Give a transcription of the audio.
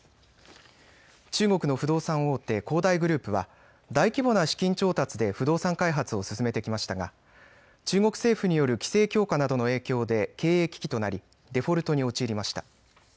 中国の不動産大手、恒大グループは大規模な資金調達で不動産開発を進めてきましたが中国政府による規制強化などの影響で経営危機となりデフォルトに陥りました。